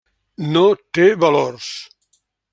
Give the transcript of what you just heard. No té valors.